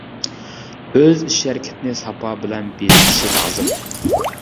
ئۆز ئىش-ھەرىكىتىنى ساپا بىلەن بېزىشى لازىم.